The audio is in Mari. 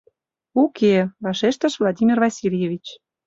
— Уке, — вашештыш Владимир Васильевич.